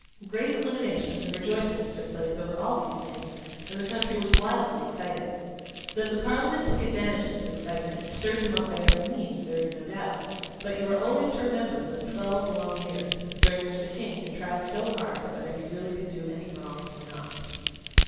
Great illuminations and rejoicings took place over all these things, and the country was wildly excited. That the Parliament took advantage of this excitement and stirred them up by every means, there is no doubt; but you are always to remember those twelve long years, during which the King had tried so hard whether he really could do any wrong or not.